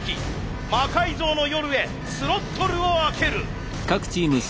「魔改造の夜」へスロットルを開ける。